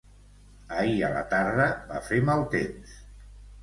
Ahir a la tarda va fer mal temps.